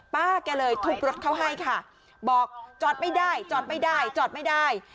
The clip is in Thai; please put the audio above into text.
ป้าแกเลยทุบรถเขาให้ค่ะบอกจอดไม่ได้จอดไม่ได้จอดไม่ได้